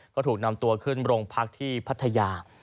ก็ถูกนำตัวขึ้นโรงพักที่พัทยา